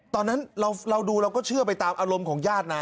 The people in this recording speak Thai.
ตอนนั้นเราดูเราก็เชื่อไปตามอารมณ์ของญาตินะ